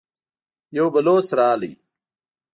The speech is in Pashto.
يو بلوڅ راغی.